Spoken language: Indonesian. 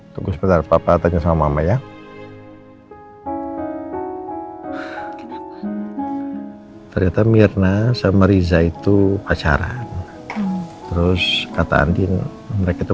tunggu sebentar papa tanya sama mama ya ternyata mirna sama riza itu pacaran terus kata andin mereka itu